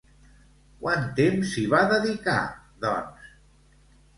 Quant temps s'hi va dedicar, doncs?